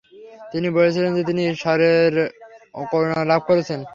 তিনি বলেছিলেন যে তিনি শ্বরের করুণা লাভ করেছেন।